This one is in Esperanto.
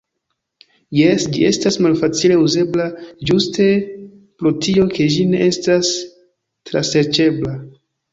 Jes, ĝi estas malfacile uzebla ĝuste pro tio ke ĝi ne estas traserĉebla.